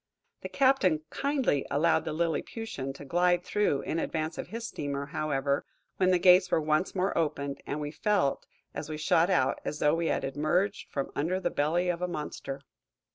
The captain kindly allowed the liliputian to glide through in advance of his steamer, however, when the gates were once more opened, and we felt, as we shot out, as though we had emerged from under the belly of a monster.